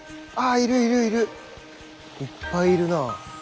いっぱいいるなあ。